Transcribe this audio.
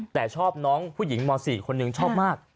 แต่ชอบน้องผู้หญิงม๔คนหนึ่งชอบมาก